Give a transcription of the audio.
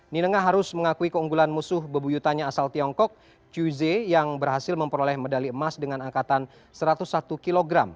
nenengah harus mengakui keunggulan musuh bebuyutannya asal tiongkok chuze yang berhasil memperoleh medali emas dengan angkatan satu ratus satu kg